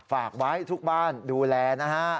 ฝากไว้ทุกบ้านดูแลนะฮะ